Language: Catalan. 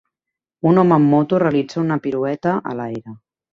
Un home en moto realitza un pirueta a l'aire.